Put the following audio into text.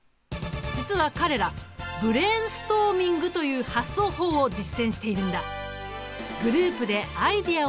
実は彼らブレーンストーミングという発想法を実践しているんだ。